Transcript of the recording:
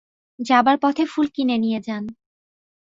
যাবার পথে ফুল কিনে নিয়ে যান।